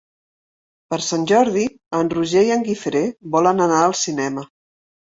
Per Sant Jordi en Roger i en Guifré volen anar al cinema.